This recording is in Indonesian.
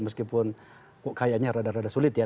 meskipun kayaknya rada rada sulit ya